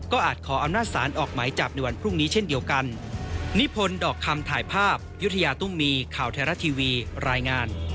อาจขออำนาจศาลออกหมายจับในวันพรุ่งนี้เช่นเดียวกัน